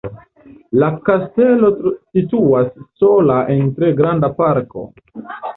La kastelo situas sola en tre granda parko.